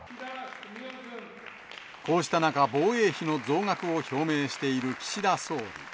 こうした中、防衛費の増額を表明している岸田総理。